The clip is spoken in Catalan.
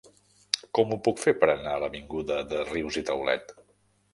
Com ho puc fer per anar a l'avinguda de Rius i Taulet?